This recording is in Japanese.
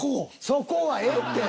そこはええって。